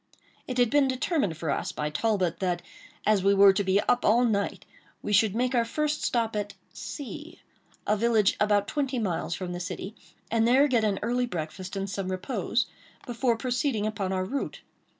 It had been determined for us by Talbot, that, as we were to be up all night, we should make our first stop at C——, a village about twenty miles from the city, and there get an early breakfast and some repose, before proceeding upon our route.